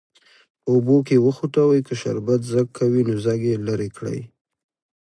په اوبو کې وخوټوئ که شربت ځګ کوي نو ځګ یې لرې کړئ.